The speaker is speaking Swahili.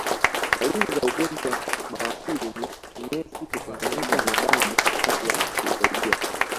Dalili za ugonjwa wa bawasiri ni Kinyesi kuchanganyika na damu wakati wa kujisaidia